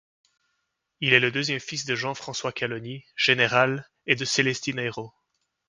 Il est le deuxième fils de Jean-François Caloni, général, et de Célestine Eyraud.